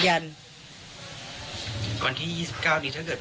วันที่๒๙นี้ถ้าเกิดมีโอกาสได้ไปขึ้นชั้น๓